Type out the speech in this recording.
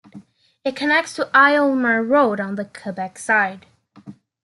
It connects to Aylmer Road on the Quebec side.